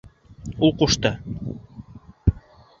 Ул ҡушты!..